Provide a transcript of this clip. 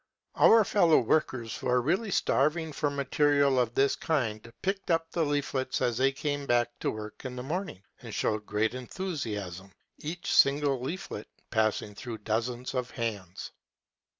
Our fellow workers, who are really starving for material of this kind, picked up the leaflets as they came to work in the morning and showed great enthusiasm, each single leaflet^passing through dozens of hands.